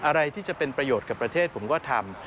อะไรที่จะเป็นประโยชน์กับประเทศผมก็ทำ